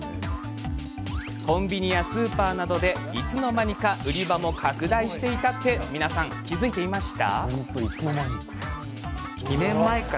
コンビニやスーパーなどでいつの間にか売り場も拡大していたって、皆さん気付いていました？